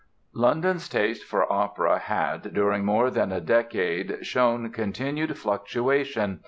London's taste for opera had, during more than a decade shown continued fluctuation.